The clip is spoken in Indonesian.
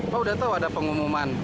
pak udah tahu ada pengumuman